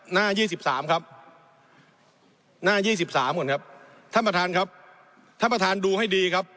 ยี่สิบสามครับหน้า๒๓ก่อนครับท่านประธานครับท่านประธานดูให้ดีครับ